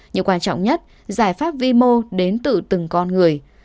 nhưng quan trọng nhất giải pháp vĩ mô đến từ từng con người